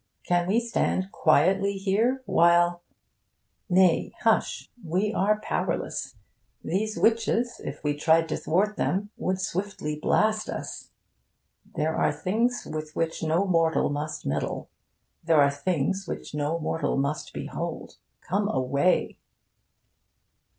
Can we stand quietly here while... Nay, hush! We are powerless. These witches, if we tried to thwart them, would swiftly blast us. There are things with which no mortal must meddle. There are things which no mortal must behold. Come away!